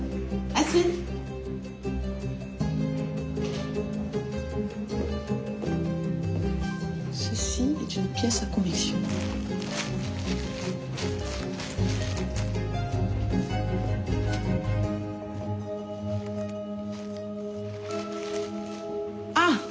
ああ！